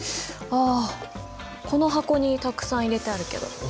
あこの箱にたくさん入れてあるけど。